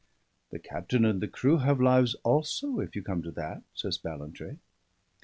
"The captain and the crew have lives also, if you come to that," says Ballantrae.